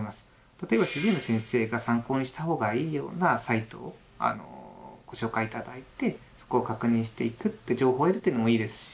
例えば主治医の先生に参考にした方がいいようなサイトをご紹介頂いてそこを確認していく情報を得るというのもいいですし。